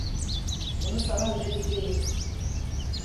Bunu sana ödeteceğim!